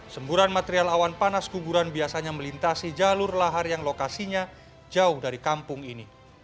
semburan material awan panas guguran biasanya melintasi jalur lahar yang lokasinya jauh dari kampung ini